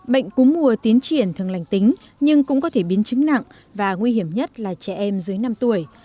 bệnh cú mùa tiến triển thường lành tính nhưng cũng có thể biến chứng nặng và nguy hiểm nhất là trẻ em dưới năm tuổi